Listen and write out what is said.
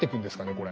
これ。